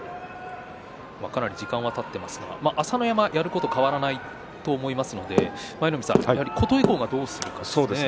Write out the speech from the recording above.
かなり時間を取っていますが朝乃山、やること変わらないと思いますのでやはり琴恵光がどうするかですね。